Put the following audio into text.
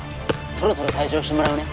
そろそろ退場してもらうね